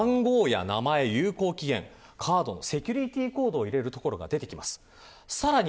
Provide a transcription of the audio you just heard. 番号や名前、有効期限カードのセキュリティコードを入れる所が出てきます。